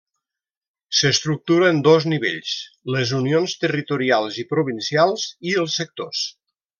S'estructura en dos nivells: les unions territorials i provincials i els sectors.